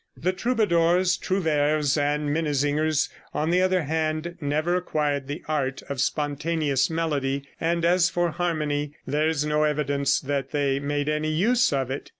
The troubadours, trouvères and minnesingers, on the other hand, never acquired the art of spontaneous melody, and as for harmony, there is no evidence that they made any use of it.